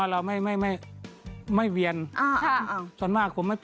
เอาไปย่อนนะคะย่อน